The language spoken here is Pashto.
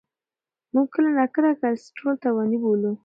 موږ کله ناکله کلسترول تاواني بولو.